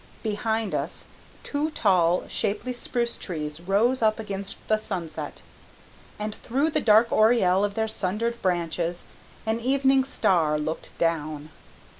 Behind us, two tall, shapely spruce trees rose up against the sunset, and through the dark oriel of their sundered branches an evening star looked down.